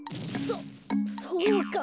そそうか。